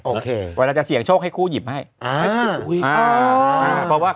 โอเคเวลาจะเสี่ยงโชคให้คู่หยิบให้อ๋อโอ้ยอ๋อเพราะว่า